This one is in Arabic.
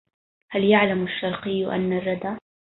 هل يعلمُ الشرقيّ أَنَّ الردَى